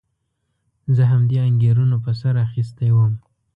زه همدې انګېرنو په سر اخیستی وم.